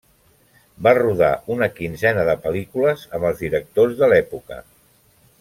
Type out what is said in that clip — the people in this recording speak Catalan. Va rodar una quinzena de pel·lícules amb els directors de l'època.